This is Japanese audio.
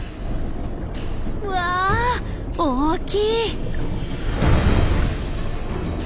わあ大きい！